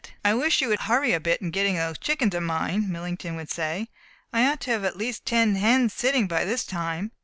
"I wish you would hurry a bit in getting those chickens of mine," Millington would say; "I ought to have at least ten hens sitting by this time."